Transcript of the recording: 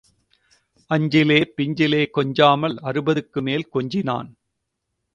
அஞ்சிலே பிஞ்சிலே கொஞ்சாமல் அறுபதுக்குமேல் கொஞ்சினான்.